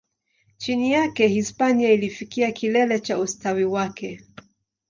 Chini yake, Hispania ilifikia kilele cha ustawi wake.